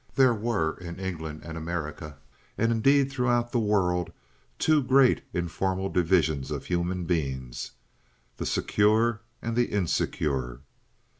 There were in England and America, and indeed throughout the world, two great informal divisions of human beings—the Secure and the Insecure.